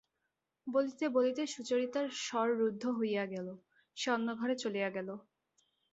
বলিতে বলিতে সুচরিতার স্বর রুদ্ধ হইয়া গেল, সে অন্য ঘরে চলিয়া গেল।